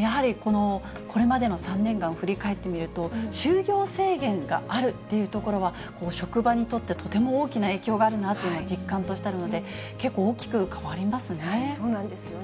やはり、これまでの３年間を振り返ってみると、就業制限があるというところは、職場にとってとても大きな影響があるなというのが実感としてあるそうなんですよね。